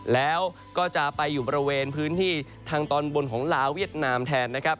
แล้วก็จะไปอยู่บริเวณพื้นที่ทางตอนบนของลาวเวียดนามแทนนะครับ